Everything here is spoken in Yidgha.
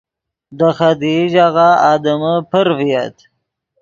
دے خدیئی ژاغہ آدمے پر ڤییت